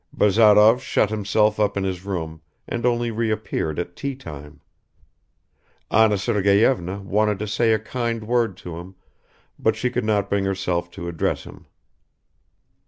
Bazarov shut himself up in his room and only reappeared at teatime. Anna Sergeyevna wanted to say a kind word to him, but she could not bring herself to address him